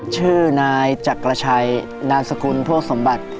ชื่อนายจักรชัยนามสกุลพวกสมบัติ